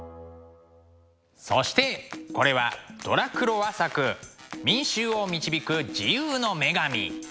そしてこれはドラクロワ作「民衆を導く自由の女神」。